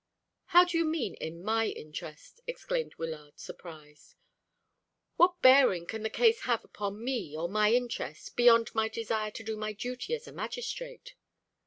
"How do you mean, in my interest?" exclaimed Wyllard, surprised. "What bearing can the case have upon me or my interest, beyond my desire to do my duty as a magistrate?"